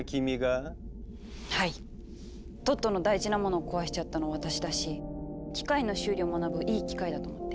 トットの大事な物壊しちゃったの私だし機械の修理を学ぶいい機会だと思って。